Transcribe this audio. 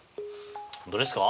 本当ですか？